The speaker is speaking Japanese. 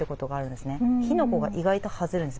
火の粉が意外とはぜるんです。